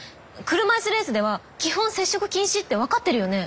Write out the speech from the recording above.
車いすレースでは基本接触禁止って分かってるよね？